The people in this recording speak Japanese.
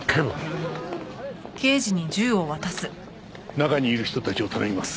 中にいる人たちを頼みます。